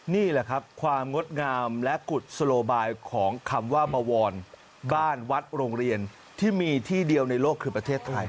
นี่แหละครับความงดงามและกุศโลบายของคำว่าบวรบ้านวัดโรงเรียนที่มีที่เดียวในโลกคือประเทศไทย